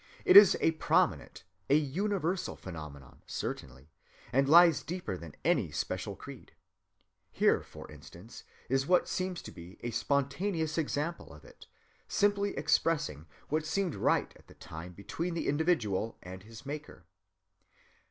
It is a prominent, a universal phenomenon certainly, and lies deeper than any special creed. Here, for instance, is what seems to be a spontaneous example of it, simply expressing what seemed right at the time between the individual and his Maker.